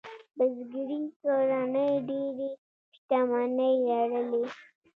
بزګري کورنۍ ډېرې شتمنۍ لرلې.